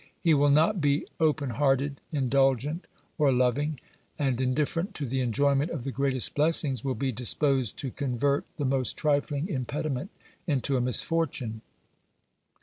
He will not be open hearted, indulgent, or loving, and, indifferent to the enjoyment of the greatest blessings, will be disposed to convert the most trifling impediment into a misfortune.